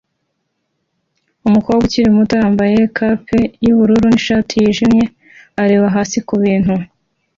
Umukobwa ukiri muto wambaye cape yubururu nishati yijimye areba hasi kubintu